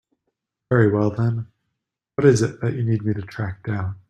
Very well then, what is it that you need me to track down?